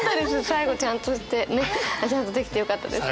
最後ちゃんとしてね。ちゃんとできてよかったです。